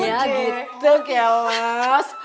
ya gitu kelas